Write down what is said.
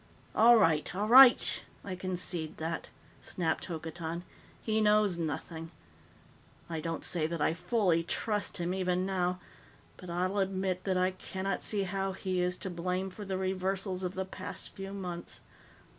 "All right, all right! I concede that," snapped Hokotan. "He knows nothing. I don't say that I fully trust him, even now, but I'll admit that I cannot see how he is to blame for the reversals of the past few months.